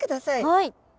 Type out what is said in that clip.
はい。